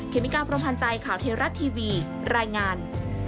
เคมิการ์ประพันธ์ใจข่าวเทราะทีวีรายงาน